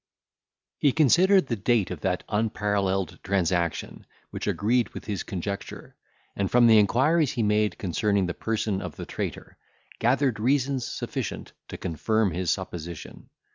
He considered the date of that unparalleled transaction, which agreed with his conjecture, and from the inquiries he made concerning the person of the traitor, gathered reasons sufficient to confirm his supposition.